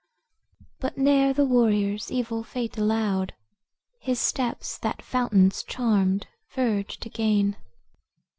'But ne'er the warrior's evil fate allowed His steps that fountain's charmed verge to gain.